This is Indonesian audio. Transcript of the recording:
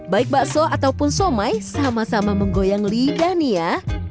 baik bakso ataupun somai sama sama menggoyang lidah nih ya